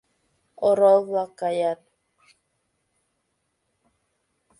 Орол-влак каят.